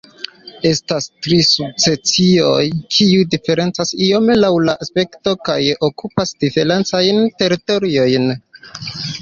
Estas tri subspecioj, kiu diferencas iome laŭ aspekto kaj okupas diferencajn teritoriojn.